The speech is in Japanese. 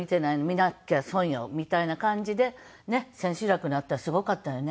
見なきゃ損よ」みたいな感じでねえ千秋楽になったらすごかったよね。